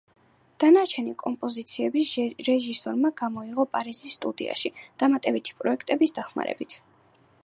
დანარჩენი კომპოზიციები რეჟისორმა გადაიღო პარიზის სტუდიაში, დამატებითი პროექტების დახმარებით.